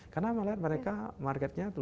karena melihat mereka marketnya luar biasa